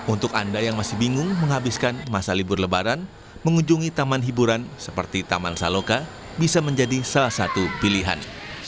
untuk anda yang masih bingung menghabiskan masa libur lebaran mengunjungi taman hiburan seperti taman saloka bisa menjadi salah satu pilihan